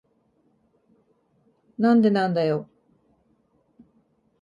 なんでなんだよ。